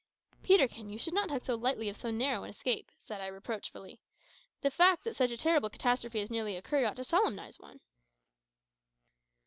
"Peterkin, you should not talk lightly of so narrow an escape," said I reproachfully. "The fact that such a terrible catastrophe has nearly occurred ought to solemnise one."